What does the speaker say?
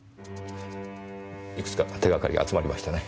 いくつか手がかりが集まりましたね。